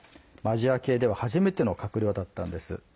アジア系では初めての閣僚だったんです。